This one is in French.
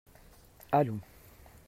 Allons.